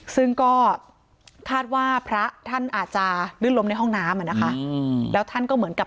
ซึ่งก็ทาสว่าพระท่านอาจจะลึกล้มในห้องน้ำแล้วท่านก็เหมือนกับ